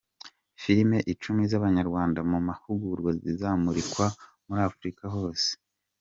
filime Icumi z’Abanyarwanda mu mahugurwa Zizamurikwa Muri Afurika Hose